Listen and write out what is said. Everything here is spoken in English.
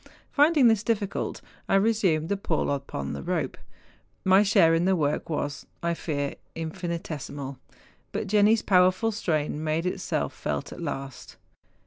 Finding this difficult, I resumed the pull upon the rope. My share in the work was, I fear, infinitesimal; but Jenni's powerful strain made itself felt at last.